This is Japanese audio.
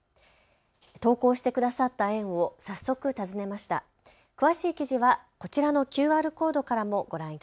投稿してくださった園を早速訪ねました。